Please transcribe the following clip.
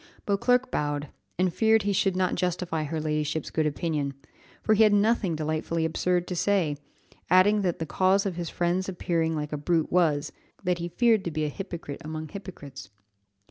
Beauclerc bowed, and feared he should not justify her ladyship's good opinion, for he had nothing delightfully absurd to say, adding that the cause of his friend's appearing like a brute was, that he feared to be a hypocrite among hypocrites.